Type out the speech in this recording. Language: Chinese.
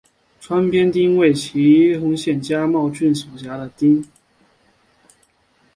川边町为岐阜县加茂郡所辖的町。